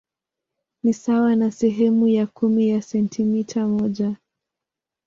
Ni sawa na sehemu ya kumi ya sentimita moja.